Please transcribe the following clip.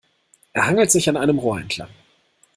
Er hangelt sich an einem Rohr entlang.